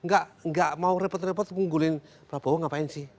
gak mau repot repot mengunggulin prabowo ngapain sih